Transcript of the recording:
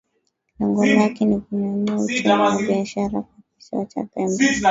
Lengo lake ni kunyanyua uchumi na biashara kwa kisiwa cha Pemba